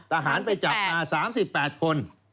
ทหารไปจับมา๓๘คน